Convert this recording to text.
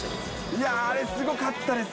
いやー、あれすごかったです